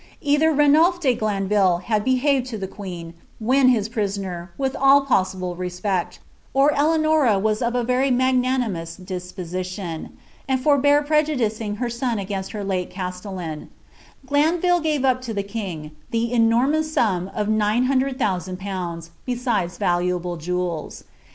Either Rnnulph de Glanville had behaved lo the queen, when hu pi> soner, with all possible respeci, or Eleanora was of a very m^naniaoM disposition, and forbore prejudicing her son against her late fiwitthni Glanville gave up to the king the enormous sum of nine hundred ikM s&nd pounds, besides valuable jewels.